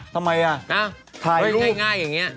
ทำไมอ่ะนะถ่ายไว้ง่ายอย่างนี้